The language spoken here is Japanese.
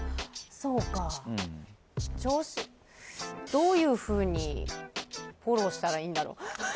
どういうふうにフォローしたらいいんだろう。